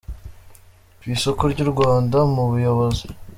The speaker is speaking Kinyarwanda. ku isoko ry’u Rwanda mu Umuyobozi.